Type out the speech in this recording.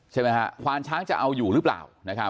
ใช่ไหมฮะควานช้างจะเอาอยู่หรือเปล่า